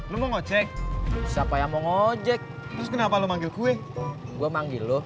lu mau ngecek siapa yang mau ngecek kenapa lo manggil gue gue manggil lo